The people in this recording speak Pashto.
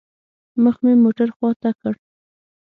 مخ مې موټر خوا ته كړ.